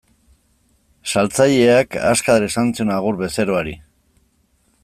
Saltzaileak azkar esan zion agur bezeroari.